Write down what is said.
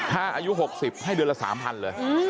ท่าอายุหกสิบให้เดือนละสามพันเลย